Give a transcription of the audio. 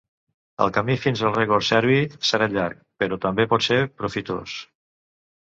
El camí fins al rècord serbi serà llarg, però també pot ser profitós.